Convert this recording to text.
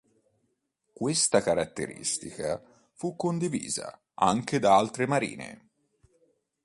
Questa caratteristica fu condivisa anche da altre marine.